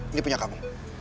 ini punya kamu